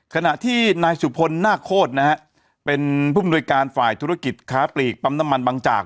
ขณะที่นายสุพลนาคโคตรนะฮะเป็นผู้มนวยการฝ่ายธุรกิจค้าปลีกปั๊มน้ำมันบางจาก